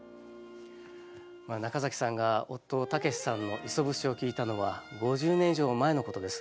中さんが夫武司さんの「磯節」を聴いたのは５０年以上前のことです。